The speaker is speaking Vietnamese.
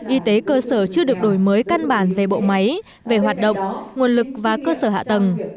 y tế cơ sở chưa được đổi mới căn bản về bộ máy về hoạt động nguồn lực và cơ sở hạ tầng